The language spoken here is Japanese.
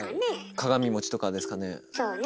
鏡餅とかですかね。